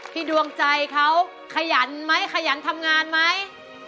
ดวงใจเขาขยันไหมขยันทำงานไหม